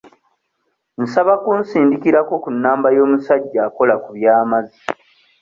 Nsaba kunsindikirako ku namba y'omusajja akola ku by'amazzi.